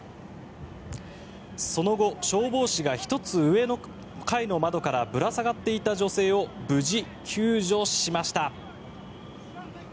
その後消防士が１つ上の階の窓からぶら下がっていた女性を無事、救助しました。